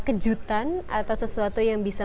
kejutan atau sesuatu yang bisa